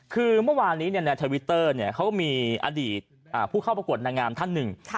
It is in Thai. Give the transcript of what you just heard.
คือเมื่อวานนี้ในทวิตเตอร์เขาก็มีอดีตผู้เข้าประกวดนางงามท่านหนึ่ง